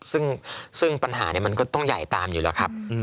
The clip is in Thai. ซึ่งปัญหามันก็ต้องใหญ่ตามอยู่แล้วครับ